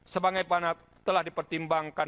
sebagai mana telah dipertimbangkan